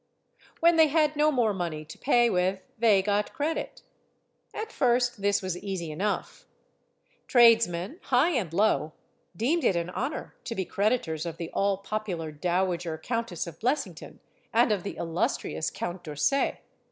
When they had no more money to pay with, they got credit. At first, this was easy enough. "THE MOST GORGEOUS LADY BLESSINGTON" 225 Tradesmen, high and low, deemed it an honor to be creditors of the all popular Dowager Countess of Bless ington, and of the illustrious Count D'Orsay.